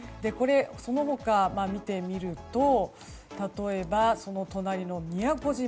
その他、見てみると例えば、その隣の宮古島。